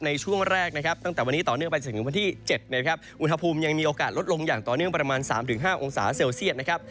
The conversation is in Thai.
ในช่วงแรกนะครับตั้งแต่วันนี้ต่อเนื่องไปจนถึงวันที่๗นะครับอุณหภูมิยังมีโอกาสลดลงอย่างต่อเนื่องประมาณ๓๕องศาเซลเซียตนะครับ